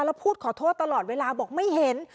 แล้วพูดขอโทษตลอดเวลาบอกไม่เห็น